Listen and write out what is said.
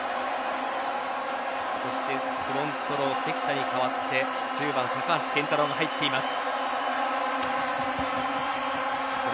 そして、フロントロー関田に代わって１０番、高橋健太郎が入っています。